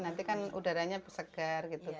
nanti kan udaranya segar gitu